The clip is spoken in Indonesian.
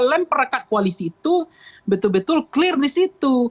lemperekat koalisi itu betul betul clear di situ